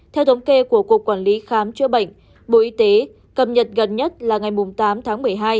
theo thống kê của cục quản lý khám chữa bệnh bộ y tế cập nhật gần nhất là ngày tám tháng một mươi hai